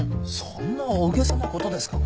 そんな大げさなことですか？